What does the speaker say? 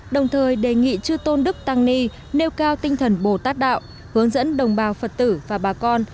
đồng thời đề nghị chư tôn đức tăng ni nêu cao tinh thần bồ tát đạo hướng dẫn đồng bào phật tử và bà con